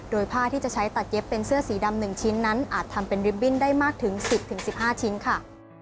โดยผ้าที่จะใช้ตัดเย็บเป็นเสื้อสีดำ๑ชิ้นนั้นอาจทำเป็นริบบิ้นได้มากถึง๑๐๑๕ชิ้นค่ะ